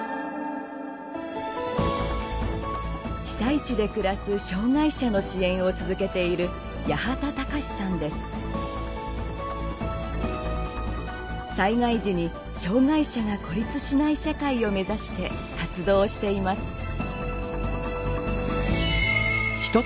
被災地で暮らす障害者の支援を続けている災害時に障害者が孤立しない社会を目指して活動しています。